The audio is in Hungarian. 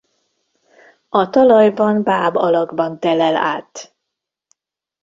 A talajban báb alakban telel át.